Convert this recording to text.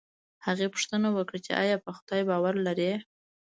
هغې پوښتنه وکړه چې ایا په خدای باور لرې